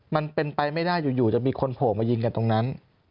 มันเป็นไปไม่ได้อยู่จะมีคนโผล่มายิงกันตรงนั้น